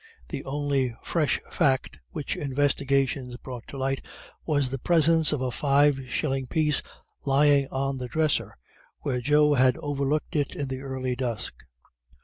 The only fresh fact which investigations brought to light was the presence of a five shilling piece lying on the dresser, where Joe had overlooked it in the early dusk.